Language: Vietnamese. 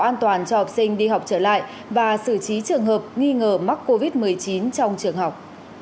an toàn cho học sinh đi học trở lại và xử trí trường hợp nghi ngờ mắc covid một mươi chín trong trường học